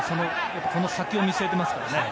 この先を見据えていますからね。